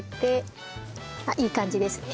あっいい感じですね。